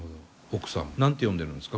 奥さん何て呼んでるんですか？